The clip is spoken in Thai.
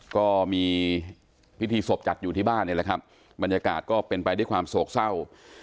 ก็มีพิธีศพจัดอยู่ที่บ้านนี่แหละครับบรรยากาศก็เป็นไปด้วยความโศกเศร้า